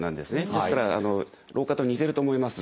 ですから老眼と似てると思います。